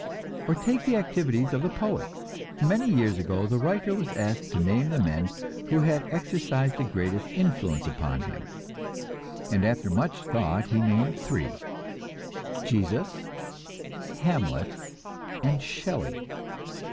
Or take the activities of the poet. Many years ago the writer was asked to name the men who had exercised the greatest influence upon him, and after much thought he named three: Jesus, Hamlet and Shelley.